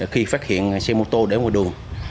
khi phát hiện xe mô tô để ngoài đường